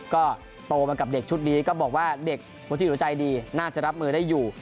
ก็โตมากับเด็กชุดนี้ก็บอกว่าเด็กวุฒิหัวใจดีน่าจะรับมือได้อยู่